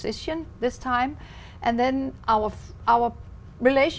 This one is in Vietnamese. chăm sóc những người